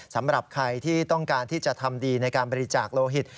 สำหรับใครที่ต้องการที่จะทำดีในการบริจาคโลหิต